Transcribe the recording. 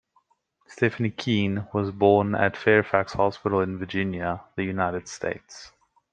Stephanie Keene was born at Fairfax Hospital in Virginia, the United States.